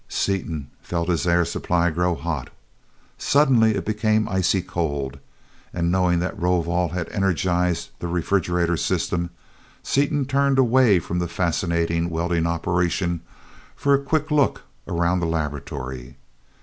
Seaton felt his air supply grow hot. Suddenly it became icy cold, and knowing that Rovol had energized the refrigerator system, Seaton turned away from the fascinating welding operation for a quick look around the laboratory.